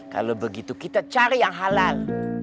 kalau begitu kita cari yang halal